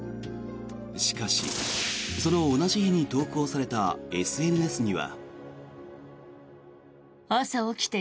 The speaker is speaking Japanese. しかし、その同じ日に投稿されたＳＮＳには。